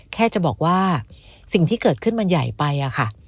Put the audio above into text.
แค่จะบอกว่าสิ่งที่เกิดขึ้นมันใหญ่ไปอะค่ะ